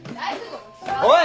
おい！